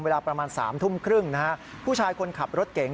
เวลาประมาณ๓ทุ่มครึ่งนะฮะผู้ชายคนขับรถเก๋ง